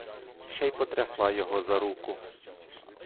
Ще й потрясла його за руку.